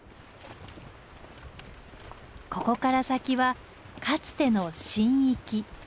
ここから先はかつての神域。